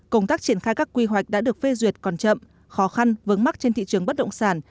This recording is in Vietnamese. công tác triển khai các quy hoạch đã được phê duyệt còn chậm khó khăn vướng mắt trên thị trường bất động sản